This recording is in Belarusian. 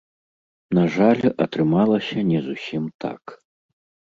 На жаль, атрымалася не зусім так.